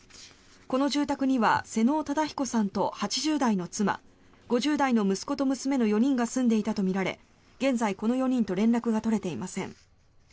この住宅には妹尾忠彦さんと８０代の妻５０代の息子と娘の４人が住んでいたとみられ現在、この４人と連絡が取れていません。